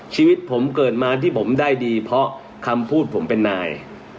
ชีวิตผมเกิดมาที่ผมได้ดีเพราะคำพูดผมเป็นนาย